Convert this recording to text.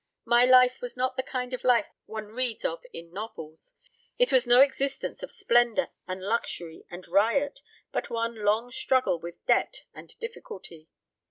My life was not the kind of life one reads of in novels. It was no existence of splendour and luxury and riot, but one long struggle with debt and difficulty.